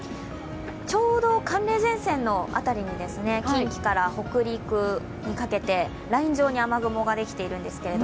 ちょうど寒冷前線の辺りに近畿から北陸にかけてライン状に雨雲ができているんですけど